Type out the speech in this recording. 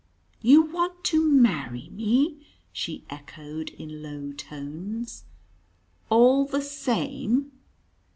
"You want to marry me," she echoed in low tones. "All the same!"